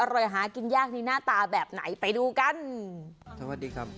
หากินยากในหน้าตาแบบไหนไปดูกันสวัสดีครับ